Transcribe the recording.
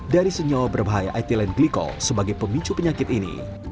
dari senyawa berbahaya etilen glikol sebagai pemicu penyakit ini